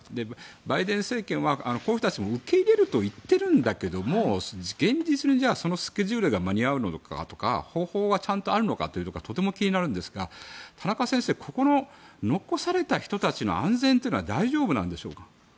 バイデン政権はこういう人たちを受け入れると言っているんだけど現実にそのスケジュールが間に合うのか方法がちゃんとあるのかはとても気になるんですが田中先生、残された人たちの安全というのは大丈夫なんでしょうか。